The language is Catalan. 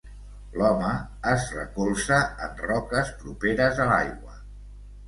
L'home es recolza en roques properes a l'aigua.